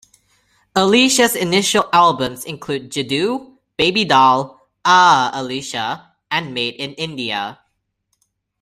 Alisha's initial albums include "Jadoo", "Baby Doll", "Aaah Alisha" and "Made in India".